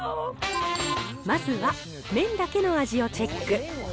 まずは麺だけの味をチェック。